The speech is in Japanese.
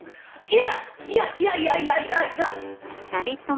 いやいやいやいやいやいや。